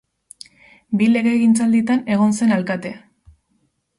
Bi legegintzalditan egon zen alkate.